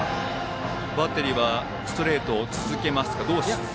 バッテリーはストレート続けますか？